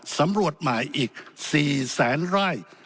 สำรวจหมายอีก๔แสนร่าย